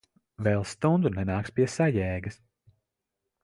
Vēl stundu nenāks pie sajēgas.